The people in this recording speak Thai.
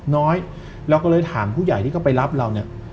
น้อยเราก็เลยถามผู้ใหญ่ที่เขาไปรับเราเนี่ย